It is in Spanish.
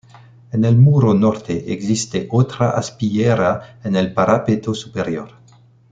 En el muro Norte existe otra aspillera en el parapeto superior.